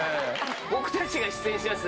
僕たちが出演します